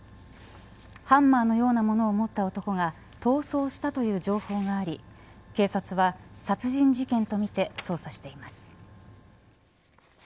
ハンマーのようなものを持った男が逃走したという情報があり警察は殺人事件とみて捜査しています。